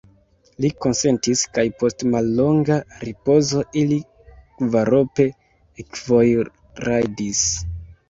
Li konsentis, kaj post mallonga ripozo ili kvarope ekvojrajdis.